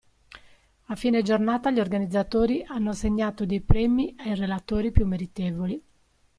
A fine giornata gli organizzatori hanno assegnato dei premi ai relatori più meritevoli.